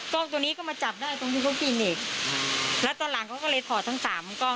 กล้องตัวนี้ก็มาจับได้ตรงที่เขากินอีกแล้วตอนหลังเขาก็เลยถอดทั้งสามกล้อง